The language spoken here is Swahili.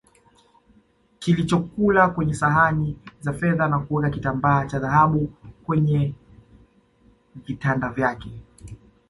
kilichokula kwenye sahani za fedha na kuweka kitambaa cha dhahabu kwenye vitanda vyake